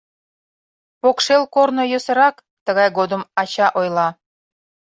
«Покшел корно йӧсырак», — тыгай годым ача ойла.